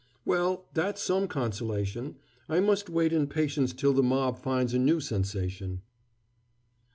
"Well, that's some consolation. I must wait in patience till the mob finds a new sensation."